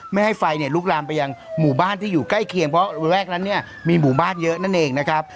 ไม่ให้ไฟเนี่ยลุกลามไปยังหมู่บ้านที่อยู่ใกล้เคียงเพราะระแวกนั้นเนี่ยมีหมู่บ้านเยอะนั่นเองนะครับ